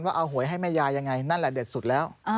ว่าเอาหวยให้แม่ยายยังไงนั่นแหละเด็ดสุดแล้ว